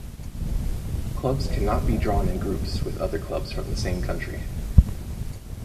Clubs cannot be drawn in groups with other clubs from the same country.